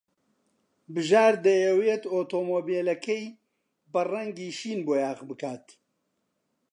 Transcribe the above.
بژار دەیەوێت ئۆتۆمۆبیلەکەی بە ڕەنگی شین بۆیاغ بکات.